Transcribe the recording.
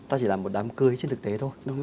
ta chỉ là một đám cưới trên thực tế thôi